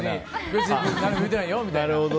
別に何も言うてないよみたいな。